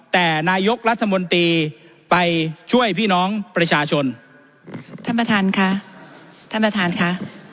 แต่นายกรัฐมนตรีไปช่วยพี่น้องประชาชนท่านประธานค่ะท่านประธานค่ะ